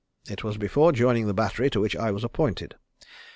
It was before joining the battery to which I was appointed.